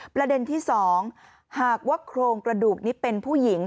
ประเด็นที่๒หากว่าโครงกระดูกนี้เป็นผู้หญิง